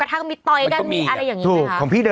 ร้อชื่อพ่อชื่อแม่